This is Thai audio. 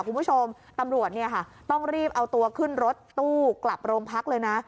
คุณผู้ชมตำรวจเนี่ยค่ะต้องรีบเอาตัวขึ้นรถตู้กลับโรงพักเลยนะ